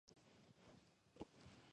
წარმოიშვა შუა საუკუნის ევროპაში.